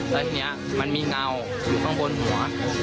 แล้วทีนี้มันมีเงาอยู่ข้างบนหัว